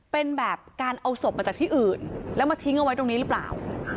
เป็นแบบการเอาศพมาจากที่อื่นแล้วมาทิ้งเอาไว้ตรงนี้หรือเปล่า